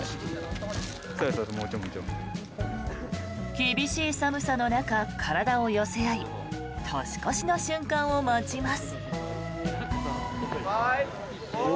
厳しい寒さの中、体を寄せ合い年越しの瞬間を待ちます。